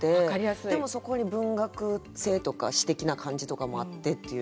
でもそこに文学性とか詩的な感じとかもあってっていう。